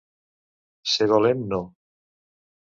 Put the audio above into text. Ser valent no